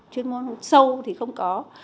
chuyên môn sâu thì không có